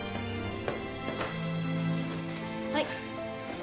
はい。